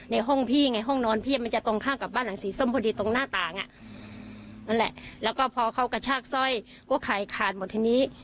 นั่นแหละแล้วก็พอเขากระชากสร้อยกว้าไข่ขาดหมดทีนี้